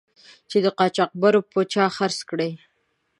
چې قاچاقبرو په چا خرڅ کړی.